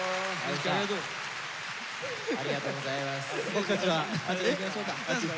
僕たちはあっちに行きましょうか。